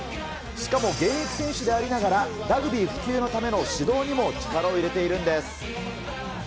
しかも現役選手でありながら、ラグビー普及のための指導にも力を入れているんです。